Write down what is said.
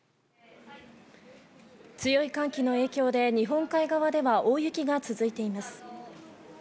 強い寒気の影響で日本海側では大雪が続いています。